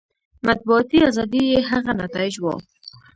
مطبوعاتي ازادي یې هغه نتایج وو.